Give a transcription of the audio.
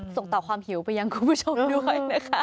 ส่งต่อความหิวไปยังคุณผู้ชมด้วยนะคะ